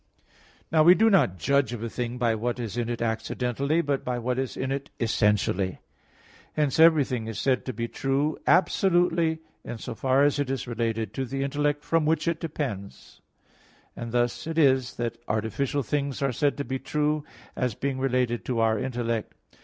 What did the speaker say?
Now we do not judge of a thing by what is in it accidentally, but by what is in it essentially. Hence, everything is said to be true absolutely, in so far as it is related to the intellect from which it depends; and thus it is that artificial things are said to be true as being related to our intellect.